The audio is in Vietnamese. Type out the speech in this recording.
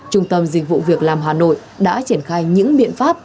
trung tâm dịch vụ việc làm hà nội đã triển khai những biện pháp